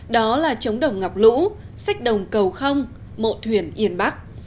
đó là trống đồng ngọc lũ sách đồng cầu không mộ thuyền yên bắc